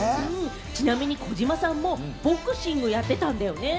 ちなみに児嶋さんもボクシングやっていたんだよね？